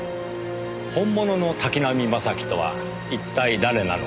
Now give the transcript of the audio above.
本物の滝浪正輝とは一体誰なのか？